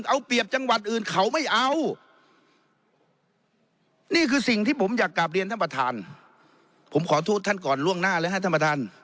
เอาเปรียบจังหวัดอื่นเขาไม่เอานี่คือสิ่งที่ผมอยากกลับ